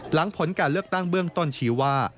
หลังผลการเลือกตั้งเบื้องต้นชี้ว่า